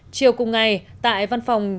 chiều cùng ngày tại văn phòng